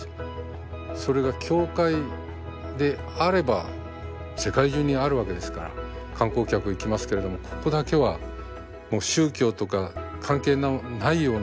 それが教会であれば世界中にあるわけですから観光客行きますけれどもここだけは宗教とか関係のないような異教徒の人も来ますしね。